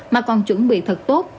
mà còn chuẩn bị thật tốt